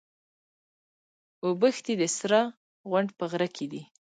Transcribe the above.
اوبښتي د سره غونډ په غره کي دي.